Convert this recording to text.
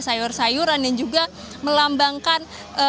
sayur sayuran yang juga melambangkan